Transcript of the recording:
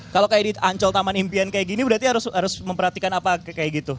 kalau kayak di ancol taman impian kayak gini berarti harus memperhatikan apa kayak gitu